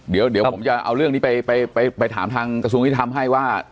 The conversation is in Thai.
เดี๋ยวผมจะเอาเรื่องนี้ไปถามทางกระทรวงยุทธรรมให้ว่า